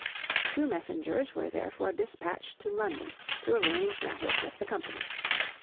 Two messengers were therefore despatched to London to arrange matters with the company.